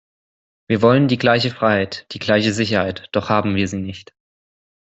Wir wollen die gleiche Freiheit, die gleiche Sicherheit, doch haben wir sie nicht.